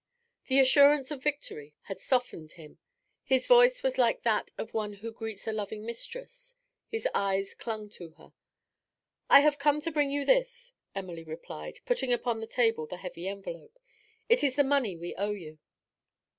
The assurance of victory had softened him. His voice was like that of one who greets a loving mistress. His gaze clung to her. 'I have come to bring you this!' Emily replied, putting upon the table the heavy envelope. 'It is the money we owe you.'